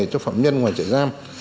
cho phẩm nhân ngoài trại giam